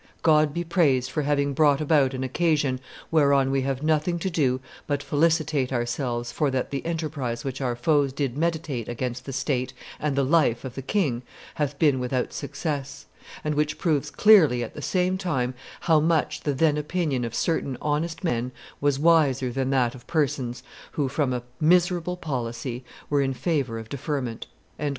God be praised for having brought about an occasion whereon we have nothing to do but felicitate ourselves for that the enterprise which our foes did meditate against the state and the life of the king hath been without success, and which proves clearly at the same time how much the then opinion of certain honest men was wiser than that of persons who, from a miserable policy, were in favor of deferment!"